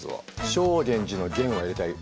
正源司の「源」は入れたい！